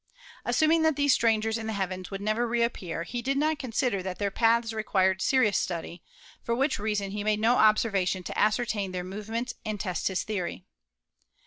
Assuming that these strangers in the heavens would never reappear, he did not consider that their paths required serious study, for which reason he made no observations to ascertain their movements and test his theory.